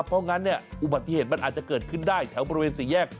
เพราะฉะนั้นอุบัติเหตุมันอาจจะเกิดขึ้นได้แถวประเภทสี่แยก